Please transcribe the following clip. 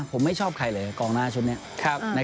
ผมไม่ชอบใครเลยกองหน้าชุดนี้